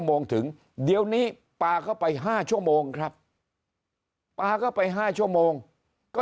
โมงถึงเดี๋ยวนี้ปลาเข้าไป๕ชั่วโมงครับปลาเข้าไป๕ชั่วโมงก็